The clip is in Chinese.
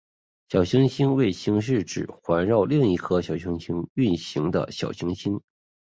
小行星卫星是指环绕另一颗小行星运行的小行星。